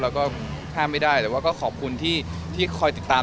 แล้วก็ห้ามไม่ได้แต่ว่าก็ขอบคุณที่คอยติดตาม